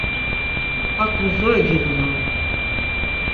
Hak mu zori giğunan?